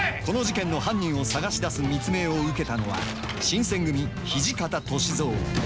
この事件の犯人を探し出す密命を受けたのは新選組土方歳三。